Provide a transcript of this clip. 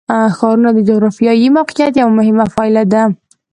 ښارونه د جغرافیایي موقیعت یوه مهمه پایله ده.